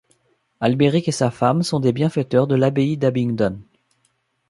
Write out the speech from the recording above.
Albéric et sa femme sont des bienfaiteurs de l'abbaye d'Abingdon.